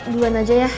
duaan aja ya